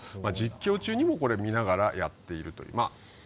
実況中にも見ながらやっていると。